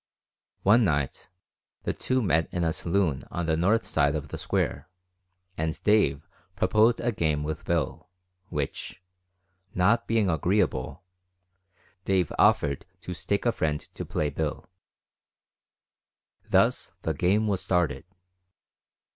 One night, the two met in a saloon on the north side of the square, and Dave proposed a game with Bill, which, not being agreeable, Dave offered to stake a friend to play Bill. Thus the game was started.